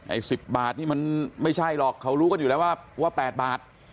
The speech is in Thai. ไอ้๑๐บาทนี่มันไม่ใช่หรอกเขารู้กันอยู่แล้วว่า๘บาท